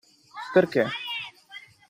Perché?